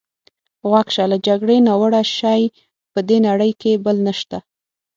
غوږ شه، له جګړې ناوړه شی په دې نړۍ کې بل نشته.